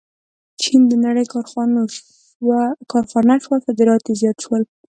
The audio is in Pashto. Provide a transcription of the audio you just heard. چین د نړۍ کارخانه شوه او صادرات یې زیات شول.